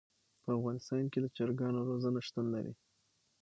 په افغانستان کې د چرګانو روزنه شتون لري.